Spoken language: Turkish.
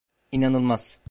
İnanılmaz.